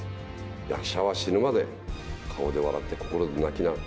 役者は死ぬまで、顔で笑って心で泣きな。